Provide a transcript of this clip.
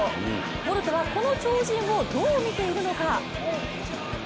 ボルトはこの超人をどう見ているのか。